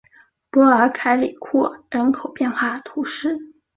波尔凯里库尔人口变化图示